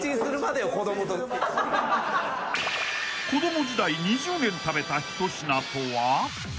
［子供時代２０年食べた一品とは］